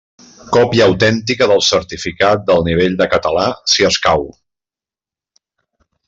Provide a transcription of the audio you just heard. Còpia autèntica del certificat del nivell de català, si escau.